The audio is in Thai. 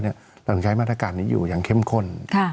เราต้องใช้มาตรการนี้อยู่อย่างเข้มข้น